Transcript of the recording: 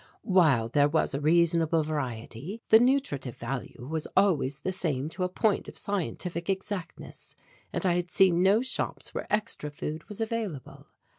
While there was a reasonable variety, the nutritive value was always the same to a point of scientific exactness, and I had seen no shops where extra food was available.